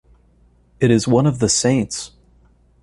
It is one of The Saints.